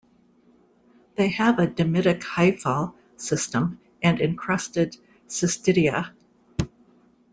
They have a dimitic hyphal system and encrusted cystidia.